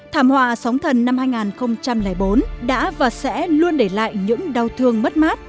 thảm họa sóng thần năm hai nghìn bốn đã và sẽ luôn để lại những đau thương mất mát